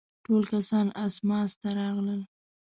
ټول کسان اسماس ته راغلل.